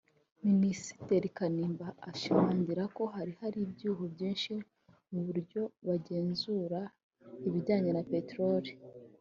Minisitiri Kanimba ashimangira ko hari hari ibyuho byinshi mu buryo bagenzuraga ibijyanye na Peteroli